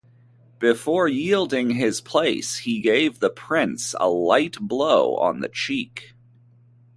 Before yielding his place he gave the prince a light blow on the cheek.